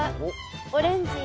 オレンジ？